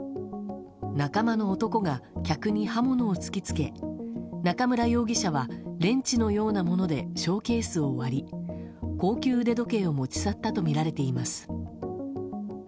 仲間の男が客に刃物を突き付け中村容疑者はレンチのようなものでショーケースを割り高級腕時計を持ち去ったとみられています。